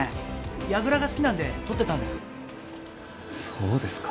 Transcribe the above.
やぐらが好きなんで撮ってたんですそうですか